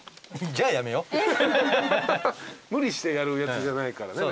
無理してやるやつじゃないからね